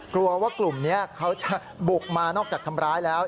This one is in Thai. กลัวว่ากลุ่มนี้เขาจะบุกมานอกจากทำร้ายแล้ว